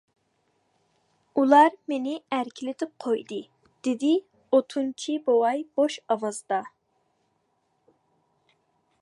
ئۇلار مېنى ئەركىلىتىپ قويدى، -دېدى ئوتۇنچى بوۋاي بوش ئاۋازدا.